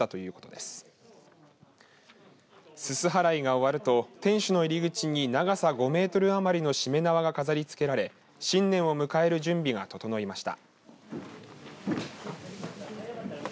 すす払いが終わると天守の入り口に長さ５メートル余りのしめ縄が飾りつけられ新年を迎える準備が整いました。